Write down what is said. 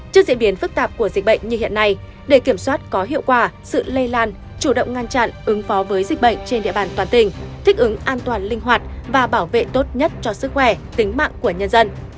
trước diễn biến phức tạp của dịch bệnh như hiện nay để kiểm soát có hiệu quả sự lây lan chủ động ngăn chặn ứng phó với dịch bệnh trên địa bàn toàn tỉnh thích ứng an toàn linh hoạt và bảo vệ tốt nhất cho sức khỏe tính mạng của nhân dân